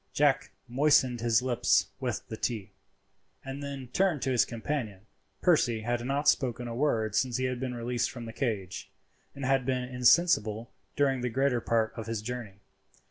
Jack moistened his lips with the tea, and then turned to his companion. Percy had not spoken a word since he had been released from the cage, and had been insensible during the greater part of his journey.